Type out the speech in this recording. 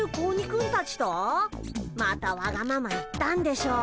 またわがまま言ったんでしょ。